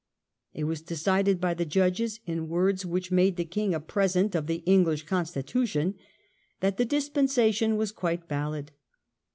It was decided by the judges, in words which made the king a present of the English constitution, that the dispensation was quite valid.